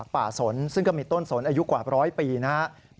สนซึ่งก็มีต้นสนอายุกว่าร้อยปีนะครับ